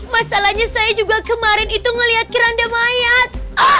masalahnya saya juga kemarin itu melihat keranda mayat